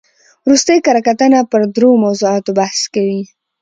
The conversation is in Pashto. ورستۍ کره کتنه پر درو موضوعاتو بحث کوي.